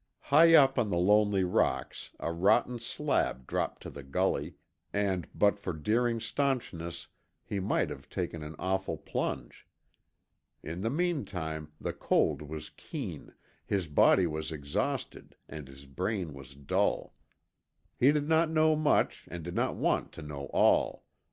High up on the lonely rocks a rotten slab dropped to the gully, and, but for Deering's stanchness, he might have taken an awful plunge. In the meantime, the cold was keen, his body was exhausted and his brain was dull. He did not know much and did not want to know all.